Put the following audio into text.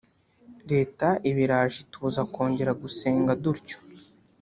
Leta iba iraje itubuza kongera gusenga dutyo